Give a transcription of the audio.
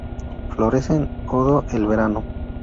Florece en odo el verano.